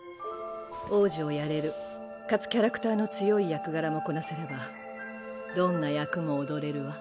王子をやれるかつキャラクターの強い役柄もこなせればどんな役も踊れるわ。